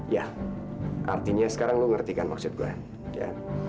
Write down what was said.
ya artinya sekarang lo ngertikan maksud gue